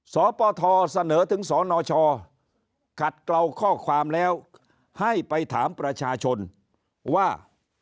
สปทเสนอถึงสนชขัดเกลาข้อความแล้วให้ไปถามประชาชนว่า